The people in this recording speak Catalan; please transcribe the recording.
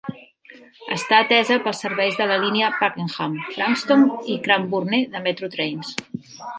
Està atesa pels serveis de la línia Pakenham, Frankston i Cranbourne de Metro Trains.